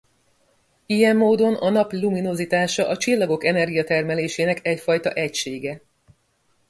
Ilyen módon a Nap luminozitása a csillagok energiatermelésének egyfajta egysége.